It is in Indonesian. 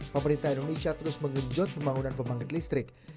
pemerintah indonesia terus mengenjot pembangunan pembangkit listrik